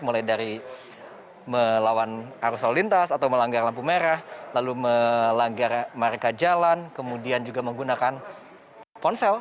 mulai dari melawan arus lalu lintas atau melanggar lampu merah lalu melanggar marka jalan kemudian juga menggunakan ponsel